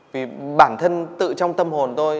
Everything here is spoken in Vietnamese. vì bản thân tự trong tâm hồn tôi